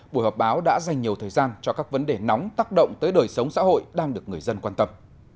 buổi họp báo đã dành nhiều thời gian cho các vấn đề nóng tác động tới đời sống xã hội đang được người dân quan tâm